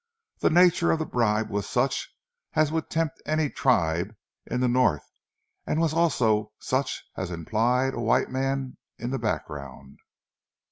The nature of the bribe was such as would tempt any tribe in the North and was also such as implied a white man in the background.